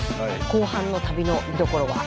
後半の旅の見どころは？